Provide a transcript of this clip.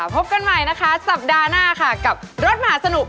พบกันใหม่นะคะสัปดาห์หน้าค่ะกับรถมหาสนุก